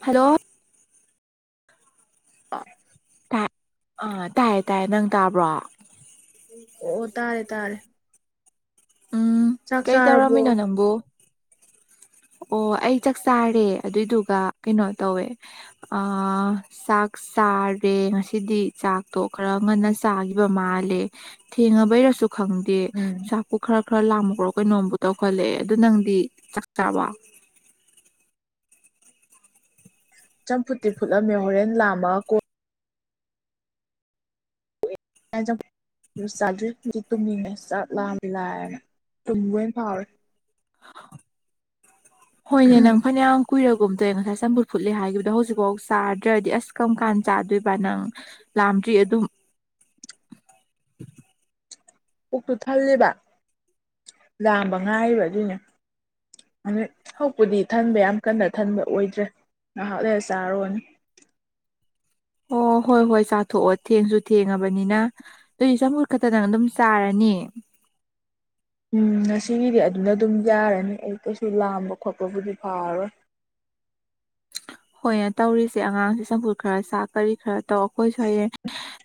Hello ꯑ ꯥ ꯑꯥ ꯇꯥꯏꯌꯦ ꯇꯥꯏꯌꯦ ꯅꯪ ꯇꯥꯕ꯭ꯔꯣ ꯑꯣ ꯇꯥꯔꯦ ꯇꯥꯔꯦ ꯎꯝ ꯆꯥꯛ ꯀꯩ ꯇꯧꯔꯝꯃꯤꯅꯣ ꯆꯥꯔꯕꯣ ꯅꯪꯕꯨ [unintelligible] ꯑꯣ ꯑꯩ ꯆꯥꯛ ꯆꯥꯔꯦ ꯑꯗꯨꯏꯗꯨꯒ ꯀꯩꯅꯣ ꯇꯧꯋꯦ ꯑ ꯆꯥꯛ ꯆꯥꯔꯦ ꯉꯁꯤꯗꯤ ꯆꯥꯛꯇꯣ ꯈꯔ ꯉꯟꯅ ꯆꯥꯈꯤꯕ ꯃꯥꯜꯂꯦ꯫ ꯊꯦꯡꯉꯕꯩꯔꯁꯨ ꯈꯪ ꯗꯦ ꯆꯥꯛꯄꯨ ꯈꯔ ꯈꯔ ꯂꯥꯝꯕ꯭ꯔꯣ ꯀꯩꯅꯣꯝꯕꯨ ꯇꯧꯈꯠꯂꯛꯑꯦ ꯑꯗꯨ ꯅꯪꯗꯤ ꯆꯥꯛ ꯆꯥꯔꯕꯣ꯫ ꯆꯝꯐꯨꯠꯇꯤ ꯐꯨꯠꯂꯝꯃꯦ ꯍꯣꯔꯦꯟ ꯂꯥꯝꯃꯛꯑ ꯀꯣꯟ [inaudible] ꯆꯥꯗ꯭ꯔꯤ [unintelligible] ꯇꯨꯝꯅꯤꯡꯉꯛꯑꯦ ꯆꯥꯛ ꯂꯥꯝꯕꯗꯤ ꯂꯥꯏꯔꯅ꯫ ꯇꯨꯝꯕ ꯑꯣꯏꯅ ꯐꯥꯎꯔꯦ꯫ ꯍꯣꯏꯅꯦ ꯅꯪ ꯐꯅꯌꯥꯝ ꯀꯨꯏꯔꯒꯨꯝ ꯇꯧꯑꯦ ꯉꯁꯥꯏ ꯆꯝꯐꯨꯠ ꯐꯨꯠꯂꯤ ꯍꯥꯏꯈꯤꯕꯗꯣ ꯍꯧꯖꯤꯛꯐꯥꯎ ꯆꯥꯗ꯭ꯔꯗꯤ ꯑꯁ ꯀꯔꯝ ꯀꯥꯟ ꯆꯥꯗꯣꯏꯕ ꯅꯪ꯫ ꯂꯥꯝꯗ꯭ꯔꯤ ꯑꯗꯨꯝ꯫ ꯄꯨꯛꯇꯨ ꯊꯜꯂꯤꯕ ꯂꯥꯥꯝꯕ ꯉꯥꯏꯔꯤꯕ ꯑꯗꯨꯏꯅꯦ꯫ ꯑꯗꯩ ꯍꯧꯖꯤꯛꯄꯨꯗꯤ ꯊꯟꯕ ꯌꯥꯝ ꯀꯟꯅ ꯊꯟꯕ ꯑꯣꯏꯗ꯭ꯔꯦ ꯉꯥꯏꯍꯥꯛ ꯂꯩꯔ ꯆꯥꯔꯨꯔꯅꯤ꯫ ꯑꯣ ꯍꯣꯏ ꯍꯣꯏ ꯆꯥꯊꯣꯛꯑꯣ ꯊꯦꯡꯁꯨ ꯊꯦꯡꯉꯕꯅꯤꯅ꯫ ꯗꯨꯨꯏ ꯆꯝꯐꯨꯠ ꯈꯛꯇ ꯅꯪ ꯑꯗꯨꯝ ꯆꯥꯔꯅꯤ꯫ ꯎꯝ ꯉꯁꯤꯒꯤꯗꯤ ꯑꯗꯨꯅ ꯑꯗꯨꯝ ꯌꯥꯔꯅꯤ ꯑꯩ ꯀꯩꯁꯨ ꯂꯥꯝꯕ ꯈꯣꯠꯄꯕꯨꯗꯤ ꯐꯥꯎꯔꯔꯣꯏ꯫ ꯍꯣꯏꯅ ꯇꯧꯔꯤꯁꯦ ꯑꯉꯥꯡꯁꯦ ꯆꯝꯄꯨꯠ ꯈꯔ ꯆꯥ ꯀꯔꯤ ꯈꯔ ꯇꯧ꯫ ꯑꯩꯈꯣꯏꯁꯨ ꯍꯌꯦꯡ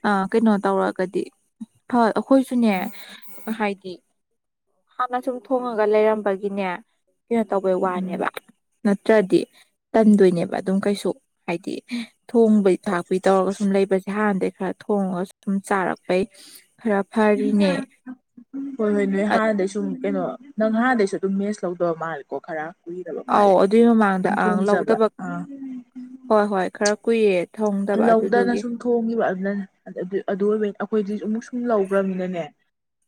ꯑ ꯀꯩꯅꯣ ꯇꯧꯔ ꯒꯗꯤ ꯍꯣꯏ ꯑꯩꯈꯣꯏꯁꯨꯅꯦ ꯍꯥꯏꯗꯤ꯫ ꯍꯥꯟꯅ ꯁꯨꯝ ꯊꯣꯡꯉꯒ ꯂꯩꯔꯝꯕꯒꯤꯅꯦ ꯀꯩꯅꯣ ꯇꯧꯕꯩ ꯎꯝ ꯋꯥꯅꯦꯕ꯫ ꯅꯠꯇ꯭ꯔꯗꯤ ꯇꯟꯗꯣꯏꯅꯦꯕ ꯑꯗꯨꯝ ꯀꯩꯁꯨ ꯍꯥꯏꯗꯤ꯫ ꯊꯣꯡꯕꯩ ꯊꯥꯛꯄꯩ ꯇꯧꯔꯒ ꯁꯨꯝ ꯂꯩꯕꯁꯦ ꯍꯥꯟꯅꯗꯩ ꯈꯔ ꯊꯣꯡꯉꯒ ꯁꯨꯝ ꯆꯥꯔꯛꯄꯩ ꯈꯔ꯫ ꯐꯔꯤꯅꯦ [inaudible] ꯍꯣꯏ ꯍꯣꯏ ꯅꯣꯏ ꯍꯥꯟꯅꯗꯩ ꯁꯨꯝ ꯀꯩꯅꯣ ꯅꯪ ꯍꯥꯟꯗꯩꯁꯨ ꯑꯗꯨꯝ ꯃꯦꯁ ꯂꯧꯗꯕ ꯃꯥꯜꯂꯦꯀꯣ ꯈꯔ꯫ ꯀꯨꯏꯔꯕ ꯑꯧ ꯃꯥꯜꯂꯦ ꯑꯗꯨꯏ ꯃꯃꯥꯡꯗ ꯑꯗꯨꯝ ꯑꯪ ꯊꯣꯡꯖꯕ ꯂꯧꯗꯕ ꯑꯥ꯫ ꯍꯣꯏ ꯍꯣꯏ ꯈꯔ ꯀꯨꯏꯌꯦ꯫ ꯂꯧꯗꯅ ꯁꯨꯝ ꯊꯣꯡꯒꯤꯕ ꯑꯗꯨꯅꯅꯦ ꯑꯗꯨꯏ ꯑꯗꯨ ꯑꯣꯏꯕꯩꯅꯦ ꯑꯩꯈꯣꯏꯗꯤ ꯑꯃꯨꯛ ꯁꯨꯝ ꯂꯧꯈ꯭ꯔꯃꯤꯅꯅꯦ꯫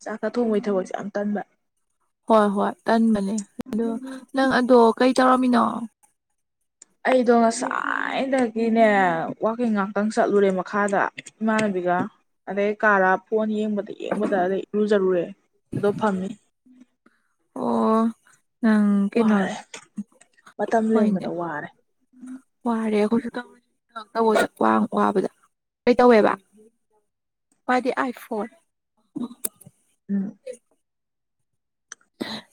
ꯆꯥꯛꯀ ꯊꯣꯡꯕꯩ ꯊꯕꯛꯁꯦ ꯌꯥꯝ ꯇꯟꯕ꯫ ꯍꯣꯏ ꯍꯣꯏ ꯇꯟꯕꯅꯦ ꯑꯗꯣ ꯅꯪ ꯑꯗꯣ ꯀꯩ ꯇꯧꯔꯝꯃꯤꯅꯣ꯫ ꯑꯩꯗꯣ ꯉꯁꯥꯏꯗꯒꯤꯅꯦ ꯋꯥꯛꯀꯤꯡ ꯉꯥꯛꯇꯪ ꯆꯠꯂꯨꯔꯦ ꯃꯈꯥꯗ ꯏꯃꯥꯟꯅꯕꯤꯒ꯫ ꯑꯗꯩ ꯀꯥꯔꯛꯑ ꯐꯣꯟ ꯌꯦꯡꯕꯗ ꯌꯦꯡꯕꯗ ꯑꯗꯩ ꯏꯔꯨꯖꯔꯨꯔꯦ ꯑꯗꯨꯒ ꯐꯝꯃꯤ꯫ ꯑꯣ ꯅꯪ ꯀꯩꯅꯣ ꯋꯥꯔꯦ ꯃꯇꯝ ꯍꯣꯏꯅꯦ꯫ ꯂꯦꯟꯕꯗ ꯋꯥꯔꯦ ꯋꯥꯔꯦ ꯑꯩꯈꯣꯏꯁꯨ [inaudible] ꯊꯕꯛ ꯇꯧꯕꯗ ꯋꯥꯡ-ꯋꯥꯕꯗ ꯀꯩ ꯇꯧꯋꯦꯕ꯫ ꯃꯥꯗꯤ ꯑꯥꯏꯐꯣꯟ꯫ ꯎꯝ꯫ [unintelligible]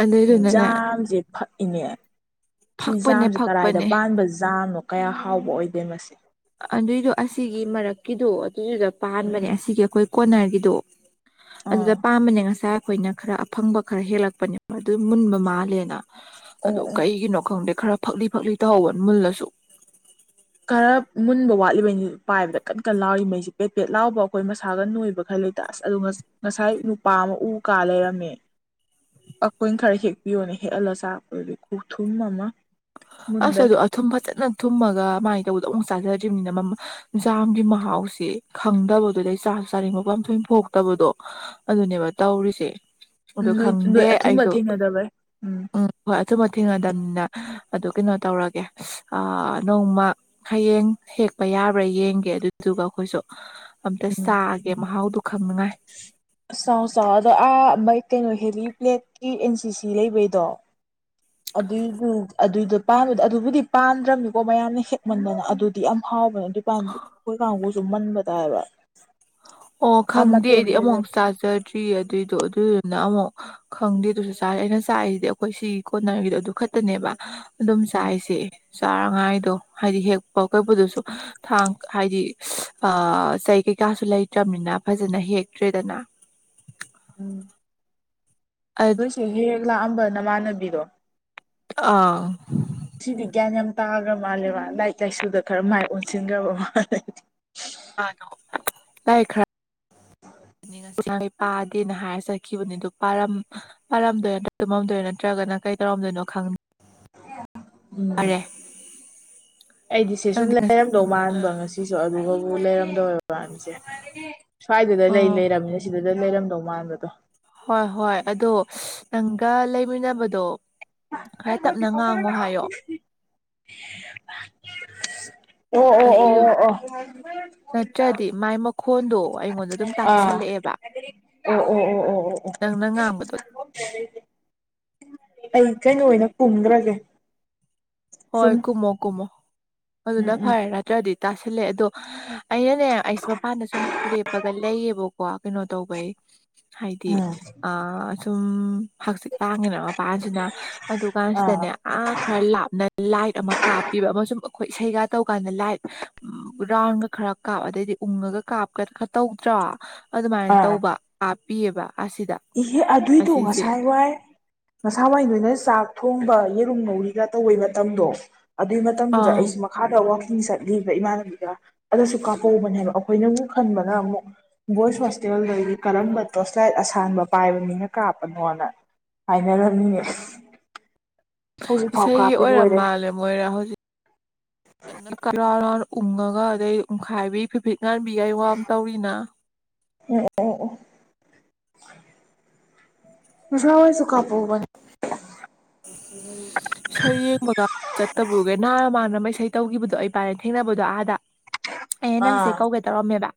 ꯑꯗꯨꯏꯗꯨꯅꯅꯦ ꯖꯥꯝꯁꯦ ꯐꯛꯏꯅꯦ ꯁꯤ ꯐꯛꯄꯅꯦ ꯖꯥꯝꯁꯦ ꯀꯔꯥꯏꯗ ꯐꯛꯄꯅꯦ ꯄꯥꯟꯕ ꯖꯥꯥꯝꯅꯣ꯫ ꯀꯌꯥ ꯍꯥꯎꯕ ꯑꯣꯏꯗꯦ ꯃꯁꯦ꯫ ꯑꯗꯨꯏꯗꯣ ꯑꯁꯤꯒꯤ ꯃꯔꯛꯀꯤꯗꯣ ꯑꯗꯨꯗꯨꯗ ꯄꯥꯟꯕꯅꯦ ꯑꯁꯤꯒꯤ ꯑꯩꯈꯣꯏ ꯀꯣꯔꯅꯔꯒꯤꯗꯣ꯫ ꯑꯗꯨꯗ ꯑꯥ ꯄꯥꯟꯕꯅꯦ ꯉꯁꯥꯏ ꯑꯩꯈꯣꯏꯅ ꯈꯔ ꯑꯐꯪꯕ ꯈꯔ ꯍꯦꯜꯂꯛꯄꯅꯦ ꯑꯗꯨ ꯃꯨꯟꯕ ꯃꯥꯜꯂꯦꯅ꯫ ꯑꯣ ꯑꯗꯨ ꯑꯣ ꯀꯩꯒꯤꯅꯣ ꯈꯪꯗꯦ ꯈꯔ ꯐꯛꯂꯤ ꯐꯛꯂꯤ ꯇꯧꯍꯧꯕ ꯃꯨꯜꯂꯁꯨ꯫ ꯈꯔ ꯃꯨꯟꯕ ꯋꯥꯠꯂꯤꯕꯩꯅꯤ ꯄꯥꯏꯕꯗ ꯀꯟ ꯀꯟ ꯂꯥꯎꯔꯤꯃꯩꯁꯤ ꯄꯦꯠ ꯄꯦꯠ ꯂꯥꯎꯕ ꯑꯩꯈꯣꯏ ꯃꯁꯥꯒ ꯅꯣꯏꯕ ꯈꯔ ꯂꯩ ꯇꯥ ꯑꯁ ꯑꯗꯨ ꯉꯁ-ꯉꯁꯥꯏ ꯅꯨꯄꯥ ꯑꯃ ꯎ ꯀꯥ ꯂꯩꯔꯝꯃꯦ꯫ ꯑꯩꯈꯣꯏꯅ ꯈꯔ ꯍꯦꯛꯄꯤꯌꯣꯅ ꯍꯦꯛꯍꯜꯂ ꯆꯥꯔꯛꯄꯗꯨꯗꯤ ꯈꯨꯊꯨꯝ ꯑꯃ꯫ ꯑꯁ ꯃꯨꯟꯕꯩ ꯑꯗꯣ ꯑꯊꯨꯝ ꯐꯖꯅ ꯊꯨꯝꯃꯒ ꯑꯗꯨꯃꯥꯏꯅ ꯇꯧꯕꯗꯣ ꯑꯃꯨꯛ ꯆꯥꯖꯗ꯭ꯔꯤꯕꯅꯤꯅ ꯃꯝ ꯖꯥꯝꯒꯤ ꯃꯍꯥꯎꯁꯤ ꯈꯪꯗꯕ ꯗꯨꯗꯩ ꯆꯥꯁꯨ ꯆꯥꯅꯤꯡꯕꯒ ꯌꯥꯝꯊꯣꯏ ꯄꯣꯛꯇꯕꯗꯣ꯫ ꯑꯗꯨꯅꯦꯕ ꯇꯧꯔꯤꯁꯦ ꯑꯗꯨ ꯎꯝ ꯅꯣꯏ ꯈꯪꯗꯦ ꯅꯣꯏ ꯑꯊꯨꯝꯕ ꯑꯩꯁꯨ ꯊꯦꯡꯅꯗꯕꯩ ꯎꯝ ꯍꯣꯏ ꯑꯗꯨꯝꯕ ꯊꯦꯡꯅꯗꯝꯅꯤꯅ ꯑꯗꯨ ꯀꯩꯅꯣ ꯇꯧꯔꯒꯦ ꯑꯥ ꯅꯣꯡꯃ ꯍꯌꯦꯡ ꯍꯦꯛꯄ ꯌꯥꯕ꯭ꯔꯥ ꯌꯦꯡꯒꯦ ꯑꯗꯨꯗꯨꯒ ꯑꯈꯣꯏꯁꯨ ꯑꯝꯇ ꯎꯝ ꯆꯥꯒꯦ ꯃꯍꯥꯎꯗꯣ ꯈꯪꯅꯉꯥꯏ ꯑꯁ ꯆꯥꯎ ꯆꯥꯎ ꯑꯗꯣ ꯑꯥ ꯃꯩ ꯀꯩꯅꯣ ꯍꯦꯂꯤ ꯄ꯭ꯂꯦꯠꯀꯤ ꯑꯦꯟ ꯁꯤ ꯁꯤ ꯂꯩꯕꯩꯗꯣ ꯑꯗꯨꯏꯗꯨ ꯑꯗꯨꯏꯗꯣ ꯄꯥꯟꯕꯗꯣ ꯑꯗꯨꯕꯨꯗꯤ ꯄꯥꯟꯗ꯭ꯔꯝꯅꯤꯀꯣ ꯃꯌꯥꯝꯅ ꯍꯦꯛꯃꯟꯗꯅ ꯑꯗꯨ ꯗꯤ ꯌꯥꯝ ꯍꯥꯎꯕꯅ ꯑꯗꯨꯏ ꯄꯥꯝꯕꯤ ꯑꯈꯣꯏ ꯀꯥꯡꯕꯨꯁꯨ ꯃꯟꯕꯗ ꯍꯥꯏꯕ ꯑꯣ ꯑꯥ ꯈꯪꯗꯦ ꯃꯇꯣꯟ ꯑꯩꯗꯤ ꯂꯣꯏ ꯑꯃꯨꯛ ꯂꯩ ꯆꯥꯖꯗ꯭ꯔꯤ ꯑꯗꯨꯏꯗꯣ ꯑꯗꯨꯏꯗꯨꯅ ꯑꯃꯨꯛ ꯈꯪꯗꯦ ꯑꯗꯨꯁꯨ ꯆꯥꯏ ꯑꯩꯅ ꯆꯥꯏꯖꯤꯗꯤ ꯑꯈꯣꯏ ꯁꯤꯒꯤ ꯀꯣꯟꯅꯔꯒꯤꯗꯣ ꯑꯗꯨ ꯈꯠꯇꯅꯦꯕ ꯑꯗꯨꯝ ꯎꯝ ꯆꯥꯏꯁꯦ ꯆꯥꯔꯉꯥꯏꯗꯣ ꯍꯥꯏꯗꯤ ꯍꯦꯛꯄ ꯀꯩꯄꯗꯨꯁꯨ ꯊꯥꯡ ꯍꯥꯏꯗꯤ ꯑꯥ ꯆꯩ ꯀꯩꯀꯥꯁꯨ ꯂꯩꯇ꯭ꯔꯝꯅꯤꯅ ꯐꯖꯅ ꯍꯦꯛꯇ꯭ꯔꯦꯗꯅ ꯎꯝ ꯁꯤ ꯍꯦ ꯍꯦꯛ ꯂꯥꯑꯝꯕ ꯅꯃꯥꯟꯅꯕꯤꯗꯣ ꯑꯥ ꯁꯤꯗꯤ ꯒ꯭ꯌꯥꯟ ꯌꯥꯝ ꯇꯥꯒ꯭ꯔ ꯃꯥꯜꯂꯦ ꯃꯥ ꯂꯥꯏꯛ ꯂꯥꯏꯁꯨꯗ ꯈꯔ ꯃꯥꯏ ꯑꯣꯟꯁꯤꯟꯒꯔꯕ ꯃꯥꯜꯂꯦ [unintelligible] ꯂꯥꯌꯤꯛ ꯈꯔ [unintelligible] ꯄꯥꯗꯦꯅ ꯍꯥꯏꯔ ꯆꯠꯈꯤꯕꯅꯦ ꯑꯗꯨ ꯄꯥꯔꯝ ꯄꯔꯝꯗꯣꯏꯔ [unintelligible] ꯇꯨꯝꯃꯝꯗꯣꯏ ꯅꯠꯇ꯭ꯔꯒꯅ ꯀꯩ ꯗꯧꯔꯝꯗꯣꯏꯅꯣ ꯈꯪ ꯎꯝ ꯑꯩꯗꯤ ꯁꯤ ꯁꯨꯝ ꯅꯪꯗꯤ ꯉꯁꯤ ꯂꯩꯔꯝꯗꯧ ꯃꯥꯟꯕ ꯉꯁꯤꯁꯨ ꯑꯗꯨꯒꯕꯨ ꯂꯩꯔꯝꯗꯕꯩ ꯥ ꯋꯥꯅꯤꯁꯦ ꯁ꯭ꯋꯥꯏꯗꯗ ꯂꯩ ꯑꯣ ꯂꯩꯔꯝꯅꯤꯅ ꯁꯤꯗ ꯂꯩꯔꯝꯗꯧ ꯃꯥꯟꯕꯗꯣ ꯍꯣꯏ ꯍꯣꯏ ꯑꯗꯣ ꯅꯪꯒ ꯂꯩꯃꯤꯟꯅꯕꯗꯣ ꯈꯔ ꯇꯞꯅ ꯉꯥꯡꯉꯣ ꯍꯥꯏꯌꯣ [unintelligible] ꯑꯣ ꯑꯗꯨꯗꯨ ꯑꯣ ꯑꯣ ꯅꯠꯇ꯭ꯔꯗꯤ ꯃꯥꯏ ꯃꯛ ꯈꯣꯟꯗꯣ ꯑꯩꯉꯣꯟꯗ ꯑꯗꯨꯝ ꯑꯥ ꯇꯥꯁꯤꯜꯂꯦꯑꯦꯕ ꯑꯣ ꯑꯣ ꯑꯣ ꯑꯣ ꯑꯣ ꯑꯣ ꯅꯪ ꯅ ꯉꯥꯡꯕꯗꯣ [unintelligible] ꯑꯩ ꯀꯩꯅꯣ ꯑꯣꯏꯅ ꯀꯨꯝꯒ꯭ꯔꯒꯦ ꯍꯣꯏ ꯀꯨꯝꯃꯣ ꯀꯨꯝꯃꯣ ꯎꯝ ꯑꯗꯨꯅ ꯎꯝ ꯐꯔꯦ ꯅꯠꯇ꯭ꯔꯗꯤ ꯇꯥꯁꯤꯜꯂꯦ ꯑꯗꯣ ꯑꯩꯅꯅꯦ ꯑꯩꯁꯨ ꯃꯄꯥꯟꯗ ꯁꯨꯝ ꯂꯦꯞꯄꯒ ꯂꯩꯌꯦꯕꯀꯣ ꯀꯩꯅꯣ ꯇꯧꯕꯩ ꯍꯥꯏꯗꯤ ꯑꯥ ꯑꯥ ꯁꯨꯝ ꯍꯥꯡꯆꯤꯛ ꯂꯥꯡꯉꯤꯅ ꯃꯄꯥꯟꯁꯤꯅ ꯑꯥ ꯑꯗꯨꯀꯥꯟꯁꯤꯗꯅꯦ ꯑꯥ ꯈꯔ ꯂꯥꯞꯅ ꯂꯥꯏꯠ ꯑꯃ ꯀꯥꯞꯄꯤꯕ ꯑꯃꯁꯨꯝ ꯑꯈꯣꯏ ꯏꯁꯩꯒ ꯇꯧꯀꯥꯟꯗ ꯂꯥꯏꯠ ꯎꯝ ꯔꯥꯎꯟꯒ ꯈꯔ ꯀꯥꯞ ꯑꯗꯩꯗꯤ ꯎꯪꯉꯒ ꯀꯥꯞꯀ ꯈꯔ ꯇꯧꯗ꯭ꯔꯣ ꯑꯗꯨꯃꯥꯏꯅ ꯑꯥ ꯇꯧꯕ ꯀꯥꯞꯄꯤꯑꯕ ꯑꯁꯤꯗ ꯏꯍꯦ ꯑꯗꯨꯏꯗꯣ ꯑꯁꯤꯁꯦ ꯉꯁꯥꯏ ꯋꯥꯏ ꯉꯁꯥꯋꯥꯏ ꯅꯣꯢꯅ ꯆꯥꯛ ꯊꯣꯡꯕ ꯌꯦꯔꯨꯝ ꯉꯧꯔꯤꯒ ꯇꯧꯕꯩ ꯃꯇꯝꯗꯣ ꯑꯗꯨꯏ ꯃꯇꯝꯗꯨꯗ ꯑꯥ ꯑꯩꯁꯨ ꯃꯛ ꯈꯥꯗ ꯋꯥꯀꯤꯡ ꯆꯠꯂꯤꯕ ꯏꯃꯥꯟꯅꯕꯤꯒ ꯑꯗꯁꯨ ꯀꯥꯄꯧꯕꯅꯦ ꯍꯥꯏꯕ ꯑꯈꯣꯏꯅꯃꯨꯛ ꯈꯟꯕꯅ ꯑꯃꯨꯛ ꯕꯣꯏꯁ ꯍꯣꯁꯇꯦꯜꯗꯒꯤ ꯀꯔꯝꯕ ꯇꯣꯁ ꯂꯥꯢꯠ ꯑꯁ ꯊꯥꯟꯕ ꯄꯥꯏꯕ ꯃꯤꯅ ꯀꯥꯞꯄꯅꯣꯅ ꯍꯥꯏꯅꯔꯝꯃꯤꯅꯦ ꯍꯧꯖꯤꯛꯐꯥꯎ ꯏꯁꯩ ꯀꯥꯞꯄꯤꯕ ꯑꯣꯏꯔ ꯑꯣꯏꯔꯦ ꯃꯥꯜꯂꯦꯞ ꯃꯣꯏꯔ ꯍꯧꯖꯤꯛ ꯀꯟꯅ ꯔꯥꯎꯟ ꯔꯥꯎꯟ ꯎꯪꯉꯒ ꯑꯗꯩ ꯎꯪꯈꯥꯏꯕꯤ ꯐꯤꯐꯤꯠ ꯉꯥꯟꯕꯤꯒꯥꯏ ꯋꯥꯝ ꯇꯧꯔꯤꯅ ꯑꯣ ꯑꯣ ꯑꯣ ꯉꯁꯥꯋꯥꯢꯁꯨ ꯀꯥꯞꯐꯧꯕꯅꯦ ꯏꯁꯩ ꯌꯦꯡꯕꯒ ꯆꯠꯇꯕꯒꯩ ꯅꯍꯥꯟ ꯃꯥꯟꯅꯕ ꯃ ꯏꯁꯩ ꯇꯧꯒꯤꯕꯗꯣ ꯑꯩ ꯕꯥꯏꯅꯤ ꯊꯦꯡꯅꯕꯗꯣ ꯑꯥꯗ ꯑꯩ ꯅꯪꯁꯦ ꯑꯥ ꯀꯧꯒꯦ ꯇꯧꯔꯝꯃꯦꯕ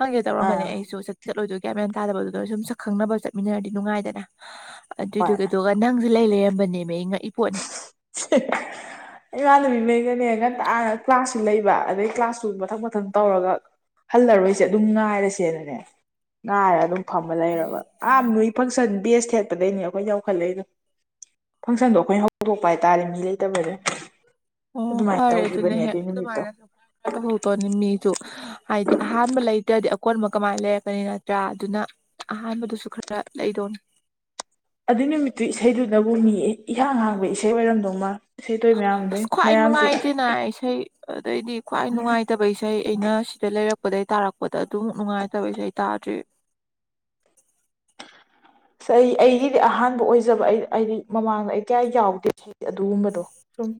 ꯍꯪꯒꯦ ꯇꯧꯔꯝꯕꯅꯦ ꯑꯥ ꯑꯩꯁꯨ ꯆꯠ ꯆꯠꯂꯣꯏꯗꯣꯏ ꯒ꯭ꯌꯥꯟ ꯃꯦꯟ ꯇꯥꯗꯕꯗꯨꯗ ꯁꯨꯝ ꯁꯛ ꯈꯪꯅꯕ ꯆꯠꯃꯤꯟꯅꯔꯗꯤ ꯅꯨꯡꯉꯥꯏꯗꯅ ꯍꯣꯏ ꯑꯗꯨꯗꯨꯢꯒꯗꯣꯒ ꯅꯪꯖꯦ ꯂꯩ ꯂꯩꯔꯝꯕꯅꯦꯃꯦ ꯑꯩ ꯉꯛꯏ ꯄꯣꯠꯅꯤ ꯁꯤ ꯏꯃꯥꯟꯅꯕꯤ ꯃꯩ ꯒꯅꯦ ꯉꯟꯇꯥ ꯀ꯭ꯂꯥꯁꯁꯨ ꯂꯩꯕ ꯑꯗꯩ ꯀ꯭ꯂꯥꯁꯇꯨ ꯃꯊꯪ ꯃꯊꯪ ꯇꯧꯔꯒ ꯍꯜꯂꯔꯣꯏꯁꯦ ꯑꯗꯨꯝ ꯉꯥꯏꯔꯁꯦꯅꯅꯦ ꯉꯥꯏꯔꯒ ꯑꯗꯨꯝ ꯐꯝꯃ ꯂꯩꯔꯕ ꯑꯥ ꯅꯣꯏ ꯐꯪꯁꯟ ꯕꯦꯁ ꯊꯦꯠꯄꯗꯩꯅꯦ ꯑꯩꯈꯣꯏꯅ ꯌꯧꯈꯠꯂꯛꯏꯗꯣ ꯐꯪꯁꯟꯗꯣ ꯑꯩꯈꯣꯏꯅ ꯍꯧꯗꯣꯛꯄ ꯍꯥꯏꯇꯥꯔꯦ ꯃꯤ ꯂꯩꯇꯕꯗꯩ ꯑꯣ ꯐꯔꯦ ꯑꯗꯨꯅ ꯍꯦꯛ ꯅꯨꯃꯤꯠꯇꯣ ꯑꯗꯨꯃꯥꯏꯅꯁꯨ ꯈꯔ ꯈꯔ ꯇꯧꯍꯧꯗꯣꯅꯤ ꯃꯤꯖꯨ ꯍꯥꯏꯗꯤ ꯑꯍꯥꯟꯕ ꯂꯩꯇ꯭ꯔꯗꯤ ꯑꯀꯣꯟꯕ ꯀꯃꯥꯏꯅ ꯂꯩꯔꯛꯀꯅꯤ ꯅꯠꯇ꯭ꯔꯥ ꯑꯗꯨꯅ ꯑꯍꯥꯟꯕꯗꯨꯁꯨ ꯈꯔ ꯂꯩꯗꯧꯅꯤ ꯑꯗꯨꯏ ꯅꯨꯃꯤꯠꯇꯨ ꯏꯁꯩꯗꯨꯅꯕꯨ ꯃꯤ ꯏꯍꯥꯡ ꯍꯥꯡꯕ ꯏꯁꯩ ꯑꯣꯏꯔꯝꯗꯧꯃ ꯏꯁꯩ ꯇꯣꯏ ꯃꯌꯥꯝꯗꯩ ꯃꯌꯥꯝꯁꯤ ꯄꯦꯅꯥ ꯏꯁꯩ ꯑꯗꯩꯗꯤ ꯈ꯭ꯋꯥꯏ ꯅꯨꯡꯉꯥꯏ__ ꯇꯕ ꯏꯁꯩ ꯑꯩꯅ ꯁꯤꯗ ꯂꯩꯔꯛꯄꯗꯩ ꯇꯥꯔꯛꯄꯗ ꯑꯗꯨꯃꯨꯛ ꯅꯨꯡꯉꯥꯏꯇꯕ ꯏꯁꯩ ꯇꯥꯗ꯭ꯔꯤ ꯑꯁ ꯑꯩ ꯑꯩꯒꯤꯗꯤ ꯑꯍꯥꯟꯕ ꯑꯣꯏꯖꯕ ꯑꯩ ꯑꯩꯗꯤ ꯃꯃꯥꯡꯗ ꯑꯩ ꯀꯌꯥ ꯌꯥꯎꯗꯦ ꯑꯗꯨꯒꯨꯝꯕꯗꯣ ꯁꯨꯝ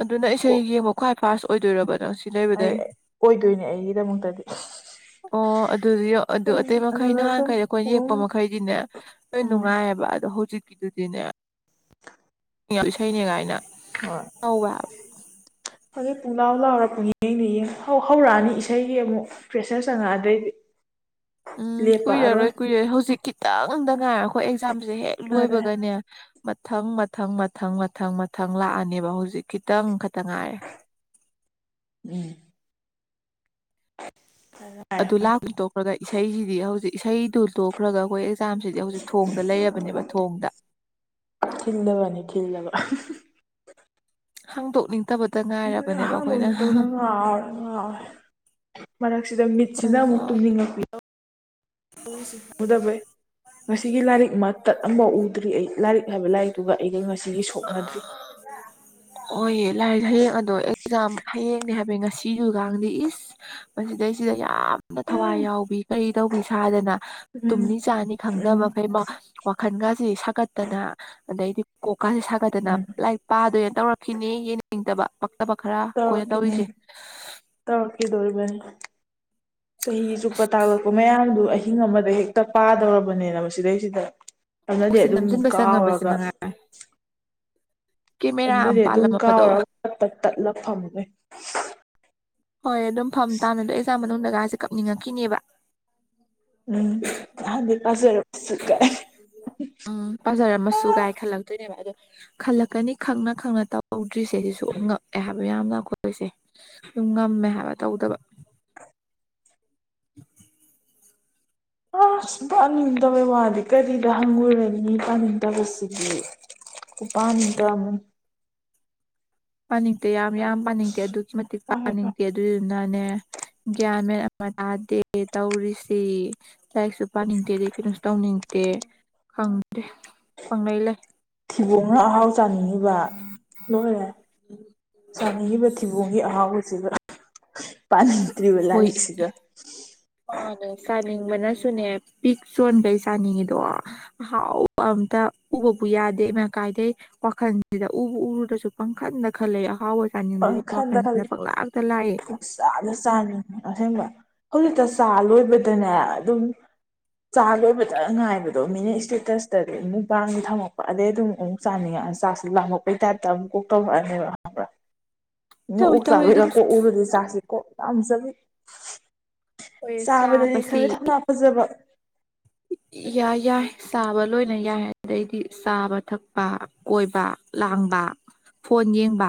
ꯑꯗꯨꯅ ꯏꯁꯩ ꯌꯦꯡꯕ ꯈ꯭ꯋꯥꯏ ꯐꯥꯁ ꯑꯣꯏꯗꯣꯏꯔꯕ ꯅꯪ ꯁꯤ ꯑꯩ ꯂꯩꯕꯗꯩ ꯑꯣꯏꯗꯣꯏꯅꯦ ꯑꯩꯒꯤꯗꯃꯛꯇꯗꯤ ꯑꯣ ꯑꯗꯨꯗꯤꯌꯣ ꯑꯗꯨ ꯑꯇꯩ ꯃꯈꯩ ꯑꯗꯨꯅ ꯑꯗꯨꯝ ꯅꯍꯥꯟꯈꯩ ꯑꯩꯈꯣꯏꯅ ꯎꯝ ꯌꯦꯡꯉꯛꯄ ꯃꯈꯩꯗꯤꯅꯦ ꯂꯣꯏ ꯎꯝ ꯅꯨꯡꯉꯥꯏꯌꯦꯕ ꯑꯗꯣ ꯍꯧꯖꯤꯛꯀꯤꯗꯨꯗꯤꯅꯦ ꯏꯁꯩꯅꯦꯒꯥꯏꯅ ꯍꯣꯏ ꯍꯧꯖꯤꯛ ꯄꯨꯡꯂꯥꯎ ꯂꯥꯎꯔ ꯄꯨꯡꯌꯦꯡꯗ ꯌꯦꯡ ꯍꯧ ꯍꯧꯔꯛꯑꯅꯤ ꯏꯁꯩꯒꯤ ꯑꯃꯨꯛ ꯐ꯭ꯔꯦꯁꯔ ꯆꯪꯉꯛꯑꯗꯩꯗꯤ ꯎꯝ ꯂꯦꯞꯄꯛꯑꯔꯣꯏ ꯀꯨꯏꯔꯔꯣꯏ ꯀꯨꯏꯔꯣꯏ ꯍꯧꯖꯤꯛ ꯈꯤꯇꯪꯗ ꯉꯥꯏꯔ ꯑꯩꯈꯣꯏ ꯑꯦꯛꯖꯥꯝꯁꯦ ꯍꯦꯛ ꯌꯥꯔꯦ ꯂꯣꯏꯕꯒꯅꯦ ꯃꯊꯪ ꯃꯊꯪ ꯃꯊꯪ ꯃꯊꯪ ꯃꯊꯪ ꯂꯥꯛꯑꯅꯦꯕ ꯍꯧꯖꯤꯛ ꯈꯤꯇꯪ ꯈꯛꯇ ꯉꯥꯏꯔꯦ ꯎꯝ ꯐꯥꯔꯥ ꯑꯗꯨ ꯂꯥꯛꯄ ꯇꯣꯛꯈ꯭ꯔꯒ ꯏꯁꯩꯖꯤꯗꯤ ꯍꯧꯖꯤꯛ ꯏꯁꯩꯗꯨ ꯇꯣꯛ ꯈ꯭ꯔꯒ ꯑꯩꯈꯣꯏ ꯑꯦꯛꯖꯥꯝꯁꯤꯗꯤ ꯍꯧꯖꯤꯛ ꯊꯣꯡꯗ ꯂꯩꯔꯕꯅꯦꯕ ꯊꯣꯡꯗ ꯊꯤꯜꯂꯕꯅꯤ ꯊꯤꯜꯂꯕ ꯍꯥꯡꯗꯣꯛꯅꯤꯡ__ ꯑꯗꯨꯅꯤ ꯍꯥꯡꯗꯣꯛꯅꯤꯡꯇꯕꯅ ꯉꯥꯎꯔꯦ ꯉꯥꯎꯔꯦ ꯃꯔꯛꯁꯤꯗ ꯃꯤꯠꯁꯤꯅ ꯑꯗꯨꯅ ꯑꯃꯨꯛ ꯇꯨꯝꯅꯤꯡꯉꯛꯄꯤ [inaudible] ꯎꯗꯕꯩ ꯉꯁꯤꯒꯤ ꯂꯥꯏꯔꯤꯛ ꯃꯇꯠ ꯑꯃꯕꯧ ꯎꯗ꯭ꯔꯤ ꯑꯩ ꯂꯥꯏꯔꯤꯛ ꯍꯥꯏꯕ ꯂꯥꯏꯔꯤꯛꯇꯨꯒ ꯑꯩꯒ ꯉꯁꯤꯒꯤ ꯁꯣꯛꯅꯗ꯭ꯔꯤ ꯑꯣꯌꯦ ꯂꯥꯏꯔꯤꯛ ꯍꯌꯦꯡ ꯑꯗꯣ ꯑꯦꯛꯖꯥꯝ ꯍꯌꯦꯡꯅꯦ ꯍꯥꯏꯕꯩ ꯉꯁꯤꯗꯨꯒꯥꯡꯗꯤ ꯏꯁ ꯃꯁꯤꯗꯩꯁꯤꯗ ꯌꯥꯝ ꯅ ꯊꯋꯥꯏ ꯎꯝ ꯌꯥꯎꯕꯤ ꯀꯔꯤ ꯇꯧꯕꯤ ꯁꯥꯗꯅ ꯎꯝ ꯇꯨꯝꯅꯤ ꯆꯥꯅꯤ ꯎꯝ ꯈꯪꯗꯕꯈꯩꯃ ꯋꯥꯈꯟꯒꯁꯤ ꯁꯥꯒꯠꯇꯅ ꯑꯗꯩꯗꯤ ꯀꯣꯛꯀꯁꯤ ꯁꯥꯒꯠꯇꯅ ꯎꯝ ꯂꯥꯏ ꯄꯥꯗꯣꯏꯅ ꯇꯧꯔꯛꯈꯤꯅꯤ ꯌꯦꯡꯅꯤꯡꯇꯕ ꯄꯛꯇꯕ ꯈꯔ ꯑꯩꯈꯣꯏꯅ ꯇꯧꯔꯤꯁꯦ ꯇꯧꯔꯛꯈꯤꯗꯧꯔꯤꯕꯅꯤ ꯆꯍꯤ ꯆꯨꯞꯄ ꯑꯁ ꯇꯥꯛꯂꯛꯄ ꯃꯌꯥꯝꯗꯨ ꯑꯍꯤꯡ ꯑꯃꯗ ꯍꯦꯛꯇ ꯄꯥꯗꯧꯔꯕꯅꯦ ꯃꯁꯤꯗꯩꯁꯤꯗ ꯑꯗꯨꯅꯗꯤ ꯀꯣꯛꯁꯦ ꯑꯗꯨꯝ ꯅꯝꯁꯤꯟꯕ ꯆꯪꯉꯕꯁꯤ ꯀꯥꯎꯔꯒ ꯃꯉꯥꯏ ꯀꯦꯃꯦꯔꯥ ꯑꯝ ꯄꯥꯜꯂꯝꯃ ꯐꯗꯧꯕ ꯇꯠ ꯇꯠ ꯇꯠꯂꯥ ꯐꯝꯃꯦ ꯍꯣꯏ ꯑꯗꯨꯝ ꯐꯝ ꯇꯥꯕꯅꯦ ꯑꯗꯣ ꯑꯦꯛꯖꯥꯝ ꯃꯅꯨꯡꯗꯒꯥꯁꯦ ꯀꯞꯅꯤꯡꯉꯛꯈꯤꯅꯦꯕ ꯎꯝ ꯉꯍꯥꯟꯗꯩ ꯄꯥꯖꯔꯛꯄꯁꯦ ꯀꯥꯏꯅ ꯎꯝ ꯄꯥꯖꯔꯝꯃꯁꯨꯒꯥꯏ ꯈꯜꯂꯛꯇꯣꯏꯅꯦꯕ ꯑꯗꯣ ꯈꯜꯂꯛꯀꯅꯤ ꯈꯪꯅ ꯈꯪꯅ ꯇꯧꯗ꯭ꯔꯤꯁꯦ ꯁꯤꯁꯨ ꯉꯛꯑꯦ ꯍꯥꯏꯕ ꯌꯥꯝꯅ ꯑꯩꯈꯣꯏꯁꯦ ꯁꯨꯝ ꯉꯝꯃꯦ ꯍꯥꯏꯕ ꯇꯧꯗꯕ [inaudible] ꯑꯁ ꯄꯥꯅꯤꯡꯗꯕꯩ ꯋꯥꯗꯤ ꯀꯔꯤꯗ ꯍꯪꯉꯨꯔꯅꯤ ꯄꯥꯅꯤꯡꯗꯕꯁꯤꯗꯤ ꯈꯨꯄꯥꯥꯅꯤꯡꯗ ꯑꯃꯅꯤ ꯄꯥꯅꯤꯡꯗꯦ ꯌꯥꯝ ꯌꯥꯝ ꯄꯥꯅꯤꯡꯗꯦ ꯑꯗꯨꯛꯀꯤ ꯃꯇꯤꯛ ꯄꯥꯅꯤꯡꯗꯦ ꯑꯗꯨꯗꯨꯅꯅꯦ ꯒ꯭ꯌꯥꯟ ꯃꯦꯟ ꯑꯃ ꯇꯥꯗꯦ ꯇꯧꯔꯤꯁꯤ ꯂꯥꯏꯔꯤꯛꯁꯨ ꯄꯥꯅꯤꯡꯗꯦ ꯑꯗꯩ ꯀꯩꯅꯣꯁꯨ ꯇꯧꯅꯤꯡꯗꯦ ꯈꯪꯗꯦ ꯄꯪꯂꯩ ꯂꯩ ꯊꯕꫭꯡꯅ ꯑꯍꯥꯎ ꯆꯥꯅꯤꯡꯉꯤꯕ ꯂꯣꯏꯔꯦ ꯆꯥꯅꯤꯡꯉꯤꯕ ꯊꯤꯕꯣꯡꯒꯤ ꯑꯍꯥꯎꯕꯁꯤꯒ ꯄꯅꯤꯡꯗ꯭ꯔꯤꯕ ꯍꯣꯏ ꯂꯥꯏꯔꯛꯁꯤꯒ ꯃꯥꯅꯦ ꯆꯥꯅꯤꯡꯕꯅꯁꯨꯅꯦ ꯄꯤꯛ ꯆꯣꯟꯒꯩ ꯆꯥꯅꯤꯡꯉꯤꯗꯣ ꯑꯍꯥꯎꯕ ꯑꯝꯇ ꯎꯕꯕꯨ ꯌꯥꯗꯦ ꯏꯃꯥ ꯀꯥꯏꯗꯩ ꯋꯥꯈꯜꯁꯤꯗ ꯎꯕꯨ ꯎꯔꯨꯗꯔꯥꯁꯨ ꯄꯪꯈꯟꯗ ꯈꯜꯂ‌ꯦ ꯑꯍꯥꯎꯕ ꯆꯥꯅꯤꯡꯕꯒꯤ ꯋꯥꯈꯜꯁꯤꯗ ꯄꯂꯥꯛꯇ ꯂꯥꯛꯑ‌ꯦ ꯆꯥꯅ ꯆꯥꯅ ꯑꯁꯦꯡꯕ ꯍꯧꯖꯤꯛꯇ ꯆꯥ ꯂꯣꯏꯕꯗꯅꯦ ꯑꯗꯨꯝ ꯆꯥ ꯂꯣꯏꯕꯗ ꯉꯥꯏꯕꯗꯣ ꯃꯤꯅ ꯏꯁꯇꯦꯇꯁꯇꯗꯤ ꯃꯨꯛꯕꯥꯡꯒꯤ ꯊꯝꯃꯛꯄ ꯑꯗꯩ ꯑꯗꯨꯝ ꯑꯃꯨꯛ ꯆꯥꯅꯤꯡꯉꯛꯑ‌‌ꯦ ꯆꯥꯛꯁꯤ ꯂꯥꯝꯃꯛꯄꯩ ꯇꯥꯏꯞꯇ ꯑꯃꯨꯛ ꯀꯣꯛ ꯇꯧꯔꯛꯑꯅꯦꯕ ꯈꯪꯕ꯭ꯔꯥ ꯃꯤꯅ ꯇꯧꯏ ꯑꯣꯛ ꯇꯧꯏ ꯆꯥꯕꯩꯒ ꯑꯗꯨꯝ ꯀꯣꯛ ꯎꯔꯨꯗꯤ ꯆꯥꯁꯤ ꯀꯣꯛ ꯌꯥꯝ ꯆꯠꯂꯤ ꯑꯩꯈꯣꯏ ꯆꯥꯕꯗꯗꯤ ꯆꯥꯕꯁꯤ ꯈꯔ ꯌꯥꯝꯅꯥ ꯐꯖꯕ ꯌꯥꯏ ꯌꯥꯏ ꯆꯥꯕ ꯂꯣꯏꯅ ꯌꯥꯏ ꯑꯗꯩꯗꯤ ꯆꯥꯕ ꯊꯛꯄ ꯀꯣꯏꯕ ꯂꯥꯡꯕ ꯐꯣꯟ ꯌꯦꯡꯕ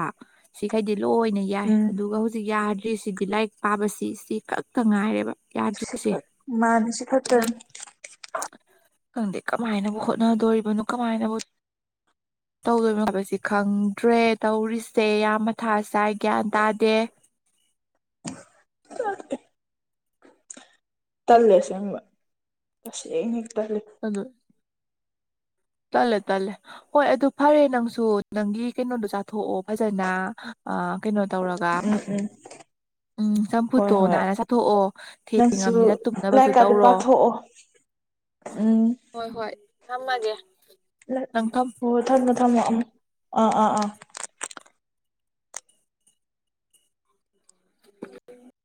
ꯁꯤꯈꯩꯗꯤ ꯂꯣꯏꯅ ꯌꯥꯏ ꯎꯝ ꯑꯗꯨꯒ ꯍꯧꯖꯤꯛ ꯌꯥꯗ꯭ꯔꯤꯁꯤꯗꯤ ꯂꯥꯏꯔꯤꯛ ꯄꯥꯕꯁꯤ ꯁꯤ ꯁꯤ ꯈꯛꯇ ꯉꯥꯏꯔꯦꯕ ꯌꯥꯗ꯭ꯔꯤꯁꯦ ꯁꯤꯈꯛ ꯃꯥꯅꯦ ꯁꯤ ꯑꯗꯨꯅ ꯈꯠꯇꯅꯤ ꯈꯪꯗꯦ ꯀꯃꯥꯏꯅꯕꯨ ꯍꯣꯠꯅꯗꯣꯔꯤꯕꯅꯣ ꯀꯃꯥꯏꯅꯕꯨ [inaudible] ꯇꯧꯗꯣꯏꯅꯣ ꯍꯥꯏꯁ ꯈꯪꯗ꯭ꯔꯦ ꯇꯧꯔꯤꯁꯦ ꯌꯥꯝ ꯃꯊꯥꯁꯥꯏ ꯒ꯭ꯌꯥꯟ ꯇꯥꯗꯦ ꯇꯜꯂꯦ ꯑꯁ‌ꯦꯡꯕ ꯇꯁꯦꯡꯅ ꯇꯜꯂꯤ ꯑꯗꯨ ꯇꯜꯂꯦ ꯇꯜꯂꯦ ꯍꯣꯏ ꯑꯗꯨ ꯐꯔꯦ ꯅꯪꯁꯨ ꯅꯪꯒꯤ ꯀꯩꯅꯣꯗꯣ ꯆꯥꯊꯣꯛꯑꯣ ꯐꯖꯅ ꯑ ꯥꯀꯩꯅꯣ ꯇꯧꯔꯒ ꯎꯝ ꯎꯝ ꯎꯝ ꯍꯣꯏ ꯆꯝꯐꯨꯠꯇꯣ ꯍꯣꯏ ꯅꯥꯟꯅ ꯆꯥꯊꯣꯛꯑꯣ ꯅꯪꯁꯨ ꯊꯦꯡꯉꯕꯅꯤꯅ ꯇꯨꯝꯅꯕꯁꯨ ꯂꯥꯏꯛꯀꯗꯨ ꯇꯧꯔꯣ ꯄꯥꯊꯣꯛꯑꯣ ꯎꯝ ꯍꯣꯏ ꯍꯣꯏ ꯊꯝꯃꯥꯒꯦ ꯍꯣꯏ ꯊꯝꯃꯣ ꯊꯝꯃꯣ ꯑꯃꯨꯛ ꯑꯥ ꯑꯥ ꯑꯥ [unintelligible]